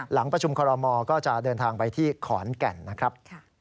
หลังประชุมคอรมอก็จะเดินทางไปที่ขอนแก่นนะครับ